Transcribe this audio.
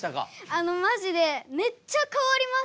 あのマジでめっちゃ変わりました。